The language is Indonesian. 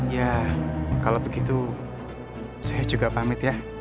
ya kalau begitu saya juga pamit ya